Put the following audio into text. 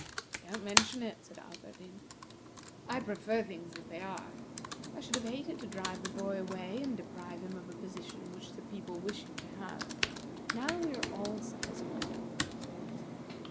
"Don't mention it," said Alberdin. "I prefer things as they are. I should have hated to drive the boy away, and deprive him of a position which the people wish him to have. Now we are all satisfied."